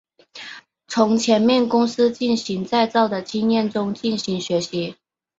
从前面公司进行再造的经验中进行学习。